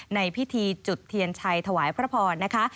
ในพิธีจุดเทียนชัยถวายพระพรนะคะ